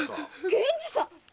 源次さん